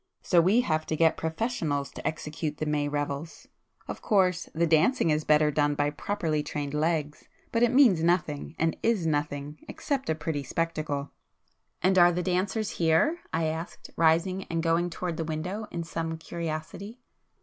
So we have to get 'professionals' to execute the May revels,—of course the dancing is better done by properly trained legs; but it means nothing, and is nothing, except a pretty spectacle." "And are the dancers here?" I asked, rising and going towards the window in some curiosity.